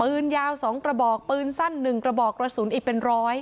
ปืนยาว๒กระบอกปืนสั้น๑กระบอกกระสุนอีกเป็นร้อย